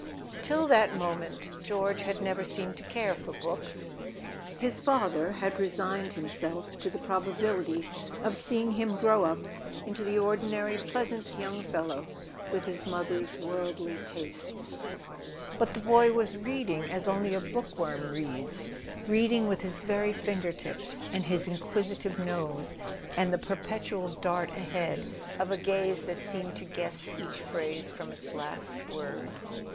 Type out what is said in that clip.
Till that moment George had never seemed to care [ 28 ] A SON AT THE FRONT for books: his father had resigned himself to the proba¬ bility of seeing him grow up into the ordinary pleasant young fellow, with his mother's worldly tastes. But the boy was reading as only a bookworm reads—read¬ ing with his very finger tips, and his inquisitive nose, and the perpetual dart ahead of a gaze that seemed to guess each phrase from its last word.